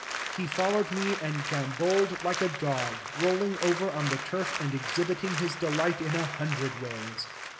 He followed me and gamboled like a dog, rolling over on the turf and exhibiting his delight in a hundred ways.